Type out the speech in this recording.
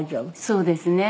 そうですね。